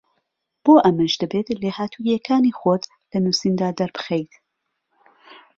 بۆ ئەمەش دەبێت لێهاتووییەکانی خۆت لە نووسیندا دەربخەیت